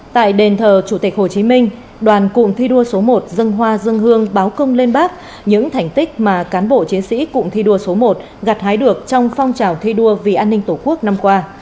tại đền thờ chủ tịch hồ chí minh đoàn cụm thi đua số một dân hoa dân hương báo công lên bác những thành tích mà cán bộ chiến sĩ cụm thi đua số một gặt hái được trong phong trào thi đua vì an ninh tổ quốc năm qua